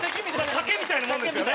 賭けみたいなもんですよね。